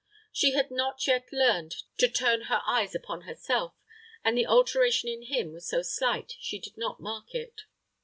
She had not yet learned to turn her eyes upon herself, and the alteration in him was so slight, she did not mark it.